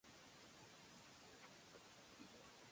She graduated from the University of Toronto Schools.